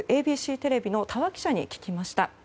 ＡＢＣテレビの峠記者に聞きました。